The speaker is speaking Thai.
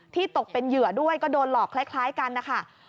ตกเป็นเหยื่อด้วยก็โดนหลอกคล้ายกันนะคะ